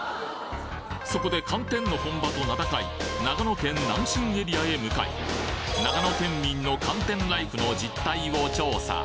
そこで寒天の本場と名高い長野県南信エリアへ向かい長野県民の寒天ライフの実態を調査